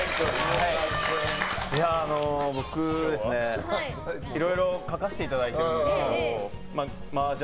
僕ですね、いろいろ書かせていただいてるんですけど麻雀